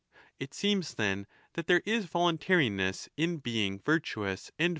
It seems, then, that there is voluntariness in being virtuous and vicious.